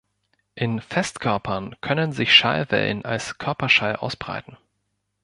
In Festkörpern können sich Schallwellen als Körperschall ausbreiten.